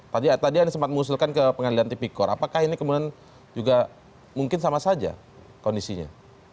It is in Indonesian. tadi anda sempat mengusulkan ke pengadilan tipikor apakah ini kemudian juga mungkin sama saja kondisinya